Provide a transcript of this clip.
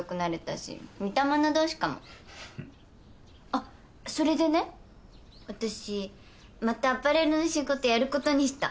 あっそれでね私またアパレルの仕事やることにした。